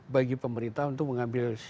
bagi pemerintah untuk mengambil